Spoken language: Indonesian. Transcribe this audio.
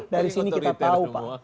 dari sini kita tahu pak